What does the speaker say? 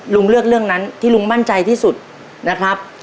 เลือกเรื่องนั้นที่ลุงมั่นใจที่สุดนะครับ